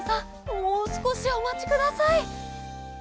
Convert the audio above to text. もうすこしおまちください。